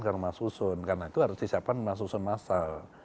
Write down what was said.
ke rumah susun karena itu harus disiapkan rumah susun massal